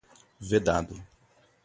vedado